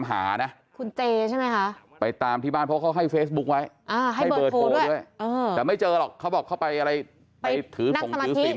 ให้เบิร์ดโทรด้วยเออแต่ไม่เจอหรอกเขาบอกเขาไปอะไรไปถือผงถือสิน